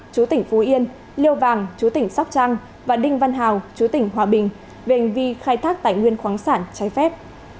chú tỉnh phú yên liêu vàng chú tỉnh sóc trăng và đinh văn hào chú tỉnh hòa bình về hành vi khai thác tài nguyên khoáng sản trái phép